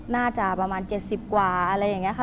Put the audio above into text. น่าจะประมาณ๗๐กว่าอะไรอย่างนี้ค่ะ